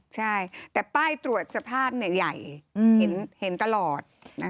ใช่แต่ป้ายตรวจสภาพใหญ่เห็นตลอด